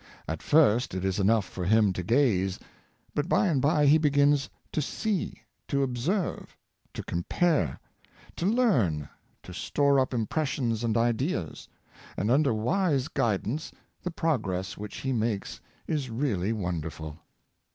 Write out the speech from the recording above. At first it is enough for him to gaze, but by and by he begins to see, to ob serve, to compare, to learn, to store up impressions and ideas, and under wise guidance the progress which he makes is really wonderful.